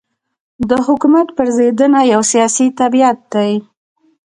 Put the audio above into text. د حکومت پرځېدنه یو سیاسي طبیعت دی.